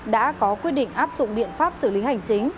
đã có quyết định áp dụng biện pháp xử lý hành chính